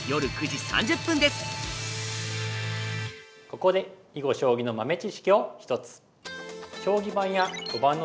ここで囲碁将棋の豆知識を１つ。